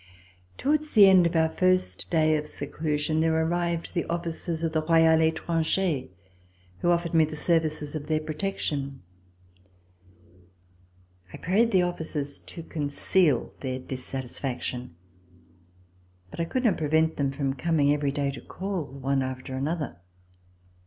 Towards the end of our first day of seclusion there arrived the officers of Royal F.trangcr who offered me the services of their protection. I prayed the officers to conceal their dissatisfaction, but I could not prevent them from coming every day to call, one after another.